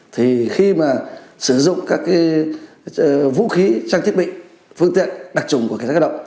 thì khi mà sử dụng các vũ khí trang thiết bị phương tiện đặc trùng của cảnh sát cơ động